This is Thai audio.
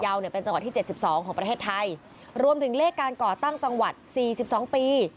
เนี่ยเป็นจังหวัดที่เจ็ดสิบสองของประเทศไทยรวมถึงเลขการก่อตั้งจังหวัด๔๒ปี